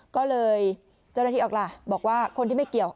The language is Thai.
ก็เลยเจ้าหน้าที่ออกล่ะบอกว่าคนที่ไม่เกี่ยว